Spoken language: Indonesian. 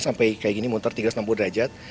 sampai kayak gini muter tiga ratus enam puluh derajat